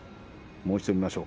もう一度見ます。